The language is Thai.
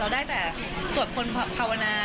เราได้แต่สวดคนภาวนา